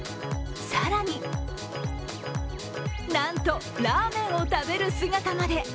更になんとラーメンを食べる姿まで。